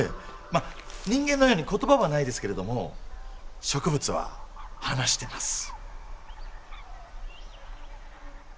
まあ人間のように言葉はないですけれども植物は話してます。